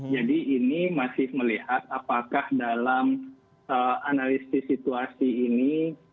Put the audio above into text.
jadi ini masih melihat apakah dalam analisi situasi ini